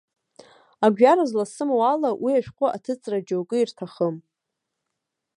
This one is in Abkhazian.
Агәҩара зласымоу ала, уи ашәҟәы аҭыҵра џьоукы ирҭахым.